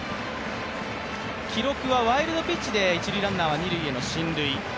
記録はワイルドピッチで一塁ランナーは二塁への進塁。